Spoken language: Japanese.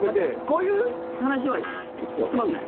こういう話はつまんない？